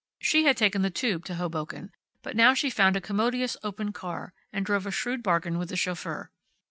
She had taken the tube to Hoboken, but now she found a commodious open car, and drove a shrewd bargain with the chauffeur.